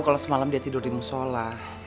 kalau semalam dia tidur di musola